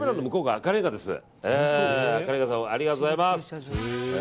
赤レンガさんありがとうございます。